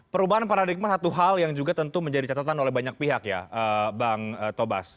perubahan paradigma satu hal yang juga tentu menjadi catatan oleh banyak pihak ya bang tobas